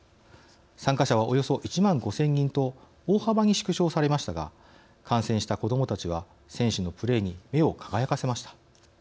参加者はおよそ１万５０００人と大幅に縮小されましたが観戦した子どもたちは選手のプレーに目を輝かせました。